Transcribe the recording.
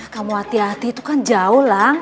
kamu hati hati itu kan jauh lah